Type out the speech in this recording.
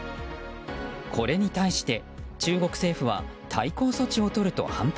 これに対して中国政府は対抗措置をとると反発。